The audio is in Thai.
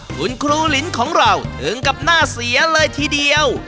คุณครูลินของเราถึงกับหน้าเสียเลยทีเดียว